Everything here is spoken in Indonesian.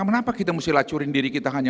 kenapa kita harus lacurkan diri kita hanya